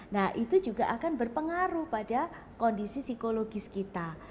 nah itu juga akan berpengaruh pada kondisi psikologis kita